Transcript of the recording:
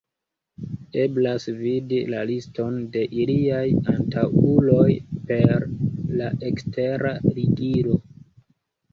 Eblas vidi la liston de iliaj antaŭuloj per la ekstera ligilo.